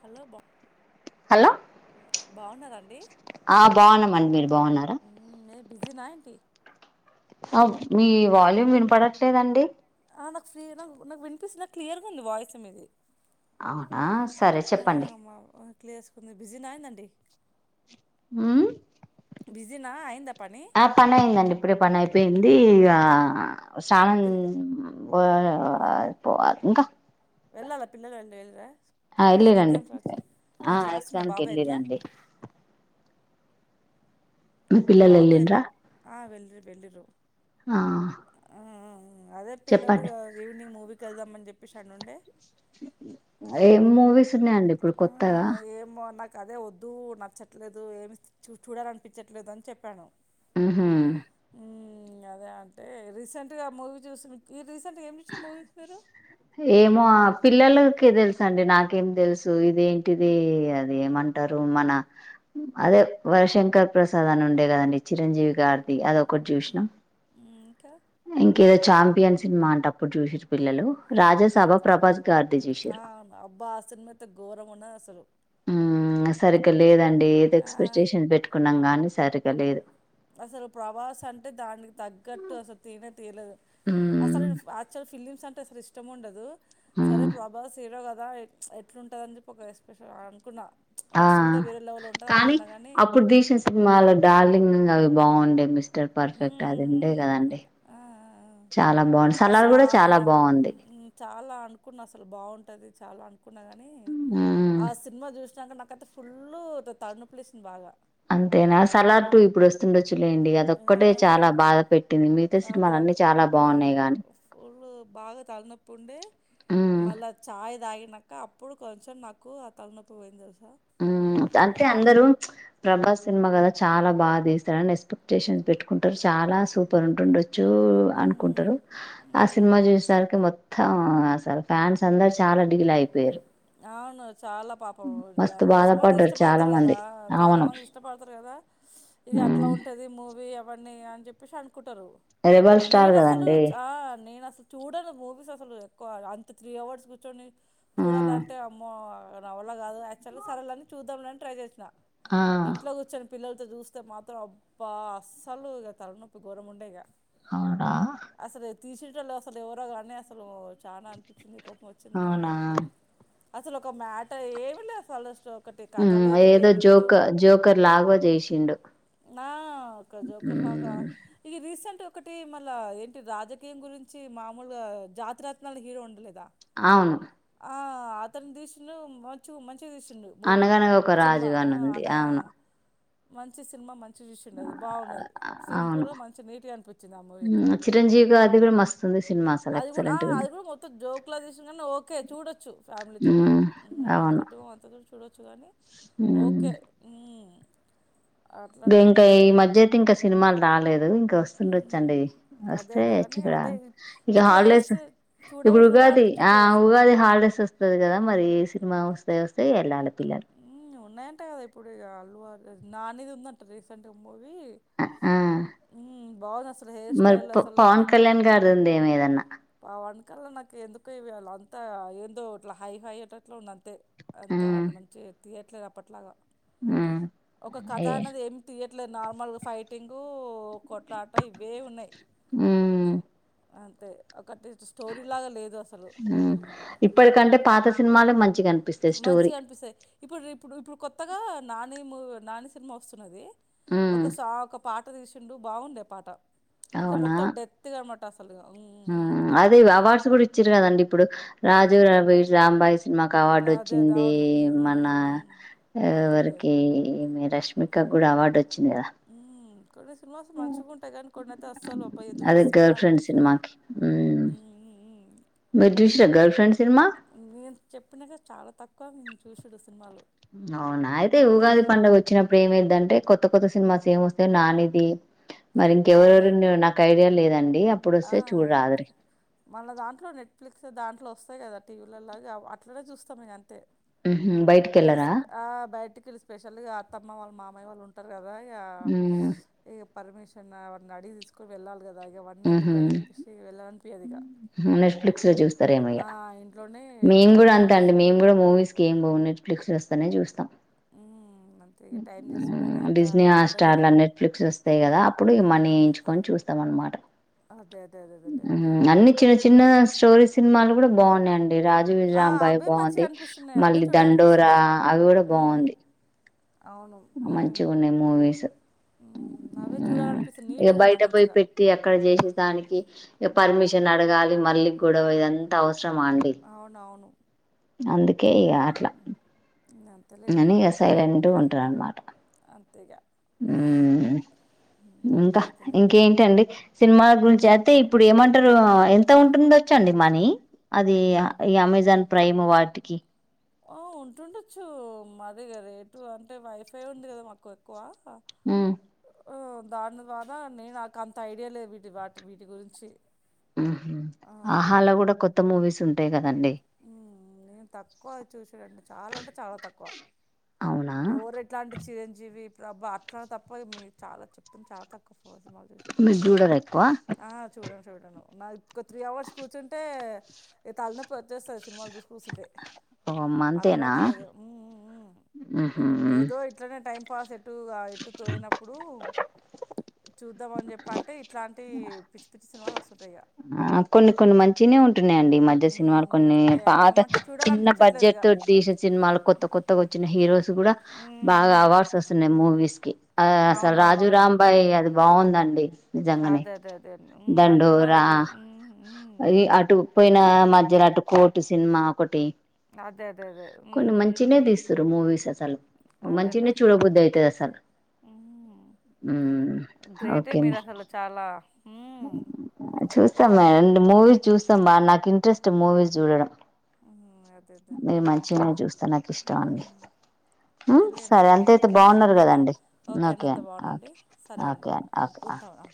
Hello బా hello బాగున్నారండి ఆ బాగున్నమండి. మీరు బాగున్నారా? నే బిజీనా ఎంటి? మీ వాల్యూమ్ వినపడట్లేదండి. ఆ నాకు ఫ్రీ నాకు నాకు వినిపిస్తుంది. నాకు క్లియర్గా ఉంది వాయిస్ మీది. అవునా సరే చెప్పండి. చేసుకుంది బిజీనా ఏందండి? హ్ అయిందా పని ఆ పని అయిందండి ఇప్పుడే పని అయిపోయింది. ది ఇగా స్నానం పిల్ [inaudible] వ [inaudible] పోవాలి ఇంకా వెళ్ళాలా పిల్లగాడు [inaudible] ఆ ఎళ్ళిరండి, ఆ రాస్తున్నా ఎగ్జామ్ కి బాబు ఎగ్జామ్ ఎళ్ళిరండి. బాబు వెళ్ళిండ్రా ఎళ్ళిండు ఆ వెల్రు వెళ్ళిరు. ఆ అదే పిల్లలు చెప్పండి ఇగ ఈవనింగ్ మూవీ వెళ్దాంమని చెప్పేసి అని ఉండే ఏం మూవీస్ ఉన్నాయండి ఇప్పుడు కొత్తగా? ఏమో నాకు అదే వద్దు నచ్చట్లేదు ఏమి చు చూడాల అనిపించట్లేదు అని చెప్పాను ఆహ అదే అంటే రీసెంట్ గా మూవీ చూసిన క రీసెంట్ గా ఏం చూసిండ్రు మూవీస్ మీరు పిల్లలకే తెలుసు అండి నాకేం తెలుసు ఇదేంటిది అది ఏమంటారు మన అదే వరశంకర్ ప్రసాద్ అని ఉండే కదండి చిరంజీవి గారిది అద ఒక ఒకటి చూసినా హ్మ్. ఇంకా? ఇంకేదో చాంపియన్ సినిమా అంటప్పుడు చూసారు పిల్లలు రాజాసభా అంతే. ప్రభాస్ గారిది ఆ! చూసారు అవును. అబ్బా! ఆ సినిమా అయితే ఘోరంగున్నదసలు. ఉ సరిగ్గా లేదండి ఏదో ఆ! ఎక్స్పెక్టేషన్స్ పెట్టుకున్నాం కానీ సరిగాలేదు అసలు ప్రవాస అంటే దానికి తగ్గట్టు అసలు తినే తెయలదు అసలు ఉమ్ ఆక్చువల్ ఫిల్లిమ్ అంటే సార్ ఇష్టం ఉండదు సరే ఉమ్ ప్రభాస్ హీరో కాదు కదా ఎట్లుంటుందని చెప్పి ఒక ఎస్పెషల్ అనుకున్నాను ఆ కానీ గానీ అప్పుడు తీసిన సినిమాలో డార్లింగ్గా బాగుండే మిస్టర్ హ్మ్. పర్ఫెక్ట్ అదేను అంటే కదా అంటడి అసలు అ అట్లా చాలా అనుకున్నా అసలు బాగుంటు ది చాలా అనుకున్న గానీ నీ మ్మ్ ఆ సినిమా చూ అక నాకు అతే ఫుల్ తలనొప్పి లేసింది బాగ అంతేనా సలార్ టూ ఇప్పుడు వస్తుండొ కూంచలేడి ఆ! అదొక్కటే చాలా బాధ పెట్టింది మిగతా అదే అట్ సినిమలున్నీ చాలా ఆ! బాగున్నాయి గానీ ఫుల్లు బాగా తలనప్పు ఉండే మ్మ్ మళ్ళ చాయి తాగి అన్నాక అప్పుడు కొంచెం నాకు ఆ తలనొప్పి పోయింది తెలుసుంది ఉ అంతే అందరు ప్రభాస్ సినిమా కద చాలా బాగా తీస్తడుని ఎక్స్పెక్టేషన్స్ పెట్టుకుంటారు చాలా సూపర్ ఉంటుండో అనుకుంటారు ఆ ఉమ్ సినిమా చూసిసరికి మొత్తం అసలు ఫ్యాన్స్ అందరు చాలా డీల్ అయిపోయారు అవును చాలా పాపం మస్తు మంది బాధపడ్డారు చాలా ఇష్టపడతారు కదా మంది చాలా అవును మంది ఇష్టపడతారు కదా ఇది అట్లా మ్మ్ ఉంటది మూవీ ఎవ చెప్పేసి అను కుటరు రెబల్ స్టార్ నేనుసలు కదండి నేనుసలు అ చూడాలడి మూవీస్ అసలు ఎక్కువ అంత త్రీ అవర్డ్స్ కూర్చోంని చూడాలా మ్మ్ నవల కాదుయాక్చువల్గా సరే అని చూద్దాంని ట్రై చేసిన ఆ ఇంట్లో కూర్చొని పిల్లలతో చూస్తే మాత్రం అబ్బా అస్సలు ఇ తలనొప్పి ఘరం ఉండే ఇక అవుడా తీసట్ళ్ళ అసలు ఎవరో కానీ అసలు చాలా అనిపించింది కోప్పం వచ్చింది బాగానే అవునా అసలు ఒక మ్యాటర్ ఏమి లేదు అసలు ఒకటి కథ ఉమ్ లేదు ఏదో ఏమి లేదు జోక జోకర్ లాగా చేసిండు ఆ ఒక జోకర్లాగా ఉమ్ ఇ రీసెంట్ ఒకటి మళ్ళా ఏంటి రాజకీయం గురించి మామూలుగా జాతిరత్నాలు హీరో ఉండలేదా అవును త ద ము మంచి దసు అనగనగా ఒక రాజుగాని ఉంది అవును మంచి సినిమా మంచి సిది బాగుది సింపుల్ అవును గా మంచి నీట్ గా అనిపించింది అమ్మ ఇంకా ఉమ్ చిరంజీవి గారిది కూడా మస్తుంది సినిమా అసలు అది కూడా ఎక్సలెంట్ ఉంది అది కూడా మొత్తం జోక్లా తీస ఓకే చూడొచ్చు ఫ్యామిలీ ఉమ్ అవును చూడచ్చు కా ే ఇంకా ఇంకా ఈ మధ్యయి ఇంకా సినిమాలు రాలేదు ఆ ఇ హ్మ్. వస్తుండొచ్చండి అదే వస్తే అదే వచ్చ కానీ అదే ఇ- ఇక ఇట్లా హాలిడేస్ చేస్తే చూడవు ఇప్పుడు ఉగాది ఆ చూడాలనిపించట్లేదు అసలు. ఉగాది హాలిడేస్ వస్తది కదా మరి మావస్తే వస్తే ఎల్లాలి ఊ ఉన్నాయంట కదా ఇప్పుడు ఇగ అల్వా ఇరోజ్ నానిది ఉందంట రీసెంట్గా మూవీ ఇవి ఆ ఊ బాగుంది అసలు హెయిర్ మరి స్టైల్ ప అసలు పవన్ కళ్యాణ్ గారిది ఉందేమో ఏదన్నా పవన్ కళ్యాణ్ నాక్ ఎందుకో ఇవాళ అంతా ఏందో అట్లా హై హై అట్లా అట్లా ఉండ తే అంతే ఉమ్ ఆల్ తియట్లేద్ అప్పట్లాగా ఉమ్ ఒక కథ ఏ అన్నది ఏమితియట్లే ఇట్లే నార్మల్ ఫైటింగూ కొట్ అట్లా ఆట ఇవే ఉన్నాయి అం తే ఊ ఇప్పటికంటే పాత సినిమాలే మంచిగాంట మంచిగా అనిపిస్తాయి ఇప్పుడు రిప్పు ఇప్పుడు కొత్తగా నా నాని మూవి నాని సినిమా వస్తున్నది ఉమ్ ఒక సా కప్ పాట తీసిండు బాగుండే పాట అంటే మొత్తం డెత్ గా అనమాట అసలు హల్ గా ఉమ్ [unintelligible] ఆ అదే అవార్డ్స్ కూడా ఇచ్చిరు గదండి ఇప్పుడు రాజు ఉమ్. వెడ్స్ రాంబాయి సినిమాకి అవార్డు అదే అదే వచ్చింది అవును ఉమ్ ఉమ్ మన ఉమ్ ఉమ్ అదేలే ఎవరకి రష్మి మిక్కకి కూడా అవార్డ్ వ వచ్చింది కదా ఉమ్ కొన్ని సినిమాస్ మంచిగా ఉంటాయి కానీ కొన్ని అయితే అస్సలు అబ్బా ఎందుకు అదే తీస్తుర్రా గర్ల్ ఫ్రెండ్ అనిపిస్తది సినిమాకి ఉమ్ ఊ ఊ ఊ మీరు చూసిరా గర్ల్ ఫ్రెండ్ సినిమా నేను చెప్పినాక చాలా తక్కువ చూసిండచ్చు అవునా అయితే ఉగాది పండుగ వచ్చినప్పుడు ఏమైదంటే కొత్ కొత్త కొత్త సినిమాస్ ఏం వస్తాయ్ నానిది మరి అవును ఇంకెవరెవరున్నయో నాకు ఐడియా లేదండి ఆ అప్పుడొస్తే చూడరాదురి మళ్ళ దాంట్లో నెట్ఫ్లిక్స్ దాంట్లో వస్తది వస్తాయి కదా టీవీలలొ గ అట్లనే చూస్తాము ఇక అంతే ఉహు ఇస్ బయటికెళ్ళరా ఆ బయటి కెళ్లి స్పెషల్ గా అత్తమ్మ వాళ్లు మామయ్ వాళ్ళు ఉంటరు కదా ఉమ్ [unintelligible] పర్మిషన్ని ఇంక అడిగి తీసుకొని వెళ్ళాలి కదా ఇంక అవణ్ణి ఉహు ఎందుకు ంది ప ఎలా అంత [unintelligible] లేదిక నెట్ఫ్లిక్స్ లొ జూస్త త్త రేమో ఇక ఇంట్లోనే మేం కూడా టీవీలో అంతే అండి చూసి మేము కూడా మూవీస్ కి ఏం పోము నెట్్లిక్స్ వస్తేనే చూస్తాం ఉమ్ అంతే ఇగ టైం తీసుకొని ఉ అంత డిస్నీ ఏమి హాట్ ఉండదు ఇగ స్టార్ లా నెట్ఫ్లిక్స్ వస్తాయి కదా అప్పుడు ఇక మనీ వేయించుకొని చూస్తాం అనమాట అదే అదే అదేదే లేండి చిన్న చిన్న స్టోరీ సినిమాలు కూడా బాగున్నాయండి రాజు వెడ్స్ ఆ రాంబాయి అవే మంచిగా బాగుంది అనిపిస్తున్నాయి అవే మళ్ళీ దండోరా చూడాలనిపిస్తున్నది అవి కూడా ఉమ్ ఉమ్ బాగుంది అవును మంచిగా ఉమ్ ఉన్నాయి మూవీస్ మ్మ్ అవే ఉ చూడాలనిపిస్తుంది ఇక నీట్గా ఉన్నాయి బయట పోయి మంచిగా పెట్టి అక్కడ చేసే దానికి ఇక పర్మిషన్ అడగాలి మళ్ళీ గొడవ ఇదంతా అవసరమా అండి అవునవును అందుకే ఇక అట్లా మ్మ్ ననుగా సైలెంట్ ఉ ఉంటా అనమాట అంతేగా మ్మ్ హ్మ్ మ్మ్ ఇంకా అదేలేండి ఇంకేంటండి సినిమాల గురించి అయితే ఇప్పుడు ఏమంటారు ఎంత ఉంటుంది వచ్చండి మనీ అది ఈ అమెజాన్ ప్రైమ్ వాటికి ఆ ఉంటుండొచ్చు మదేగాద రేటు అంటే వైఫై ఉంది కదా మాకు ఎక్కువ ఉ దాని ద్వారా నేను నాకు అంత ఐడియా లేదు వీటి వాటి వీటి గురించి ఉహు ఆహాలో కూడా కొత్త మూవీస్ ఉంటా ఉంటాయి గా ఉ నేను తక్కువ చూశాడండి చాలా అంటే చాలా తక్కువ అవునా ఎవరు ఎట్లా అంటే చిరంజీవి రబ్బ అట్లా తప్ప మీరు చాలా చెప్తుంది చాలా తక్కువ ఫ మీరు చూడరు ఎక్కువ నాది త్రీ హౌవర్ స్ కుచుంటే ఇంకా తల నొప్పి ఇక వచ్చేస్తంది సినిమాలు చూసు కూర్చుంటే ఓమ్మా అంతేనా అలవట్లేదు ఉహు ఏదో ఇట్లనే టైం పాజెప్ ఇట్టుగా ఇటు తోయినప్పుడు చూద్దామ అని చెప్పి అంటే ఇట్లాంటి పిచ్చి పిచ్చి సినిమాలు వస్తుంటాయి ఆ కొన్ని కొన్ని మంచిగానే ఉంటున్నాయండి ఇ మధ్య సినిమాలు మ్మ్. కొన్ని ఇక పాత ఏమంటే చిన్న చూడాలనిపించట్లేదు బడ్జెట్ ఇక తో తీసిన సినిమాలు కొత్త కొత్తగా వచ్చిన హీరోస్ కూడా బాగా అవార్డ్స్ వస్తున్నాయి మూవీస్ కి ఆ అసలు రాజు అవునవునవును రాంబాయి అది బాగుందండి అదే అదే అదే ఉ అంటున్నావ్ రా అదీ అటు పోయిన మధ్యలాటు కోటు సినిమా ఒకటి అదే అదే అదే ఉమ్ కొన్ని మంచిగానే ఉమ్ తీస్తురు మూవీస్ అసలు అదేలే మంచినే చూడబద్ది అయితాది అసలు ఉమ్ గ్రేటే ఓకే మీరు అమ్మాయి అసలు చాలా ఉమ్ చూస్తాం అదేలే అండ్ మూవీ చూస్తా నాకు ఇంట్రెస్ట్ మూవీస్ చూడడం ఉ అదే అదే అదండి మీరు అంత మంచిగానే చూస్తా నాకు ఇష్టం అండి అదే సరే లేండిఇక అంతయితే ఓకే బాగున్నారు ఓకేనా కదండి ఓకే అండి అంత బాగుందండి సరే అండి ఓకే ఆ ఓకే ఉంటానా